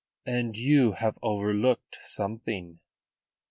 "And you have overlooked something."